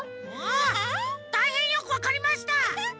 あたいへんよくわかりました。